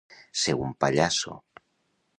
Ser un pallasso.